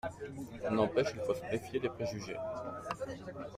N’empêche, il faut se méfier des préjugés.